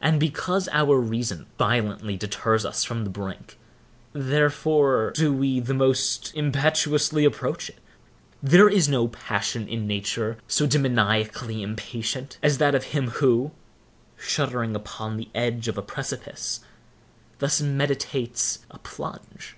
And because our reason violently deters us from the brink, therefore do we the most impetuously approach it. There is no passion in nature so demoniacally impatient, as that of him who, shuddering upon the edge of a precipice, thus meditates a plunge.